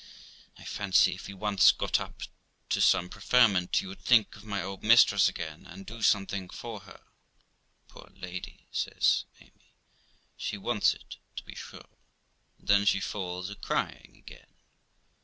I fancy, if you once got up to some preferment, you would think of my old mistress again, and do something for her. Poor lady ', says Amy, ' she wants it, to be sure'; and then she falls a crying again.